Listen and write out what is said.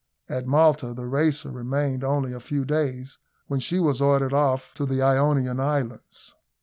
At Malta the Racer remained only a few days, when she was ordered off to the Ionian Islands.